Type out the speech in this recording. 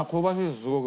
すごく。